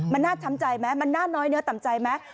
มันน่าช้ำใจไหมมันน่าน้อยเนื้อต่ำใจไหม